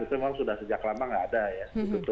itu memang sudah sejak lama nggak ada ya